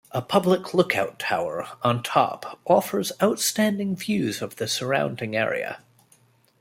A public lookout tower on top offers outstanding views of the surrounding area.